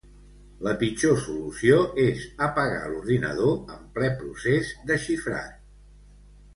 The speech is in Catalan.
La pitjor solució és apagar l'ordinador en ple procés de xifrat.